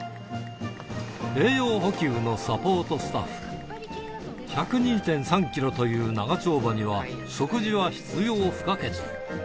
栄養補給のサポートスタッフ、１０２．３キロという長丁場には、食事は必要不可欠。